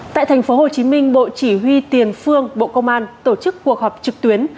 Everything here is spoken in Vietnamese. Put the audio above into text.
tại tp hcm bộ chỉ huy tiền phương bộ công an tổ chức cuộc họp trực tuyến